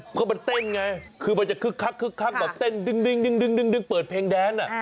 ก็มันเต้นไงคือมันจะคึกคักคึกคักแบบเต้นดึงเปิดเพลงแดน